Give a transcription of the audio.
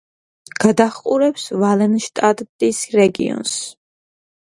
გადაჰყურებს ვალენშტადტის რეგიონს.